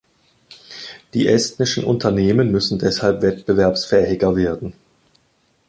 Die estnischen Unternehmen müssen deshalb wettbewerbsfähiger werden.